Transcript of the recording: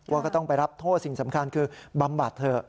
ก็ต้องไปรับโทษสิ่งสำคัญคือบำบัดเถอะ